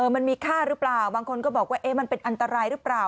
มันมีค่าหรือเปล่าบางคนก็บอกว่ามันเป็นอันตรายหรือเปล่า